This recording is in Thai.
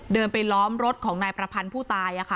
เดินไปล้อมรถของนายประพันธ์ผู้ตาย